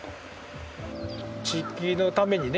地域のためにね